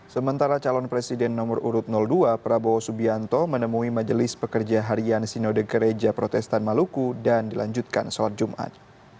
sementara calon presiden nomor urut dua prabowo subianto menemui majelis pekerja harian sinode gereja protestan maluku dan dilanjutkan sholat jumat